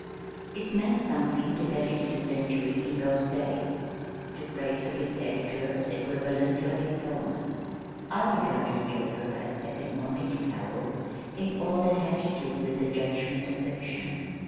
It meant something to get into the Century in those days. The praise of its editor was equivalent to a diploma. I regarded Gilder as second only to Howells in all that had to do with the judgment of fiction.